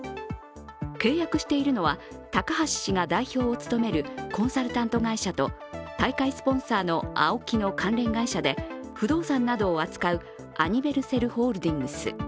契約しているのは高橋氏が代表を務めるコンサルタント会社と大会スポンサーのＡＯＫＩの関連会社で不動産などを扱うアニヴェルセルＨＯＬＤＩＮＧＳ。